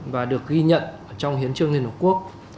và được ghi nhận trong hiến trương liên hợp quốc